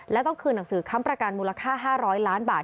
และต้องคืนหนังสือค้ำประกันมูลค่า๕๐๐ล้านบาท